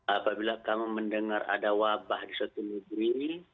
apabila kamu mendengar ada wabah di suatu negeri